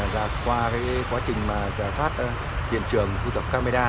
rồi qua quá trình giả sát phiền trường thu tập camera